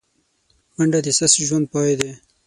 منډه د سست ژوند پای دی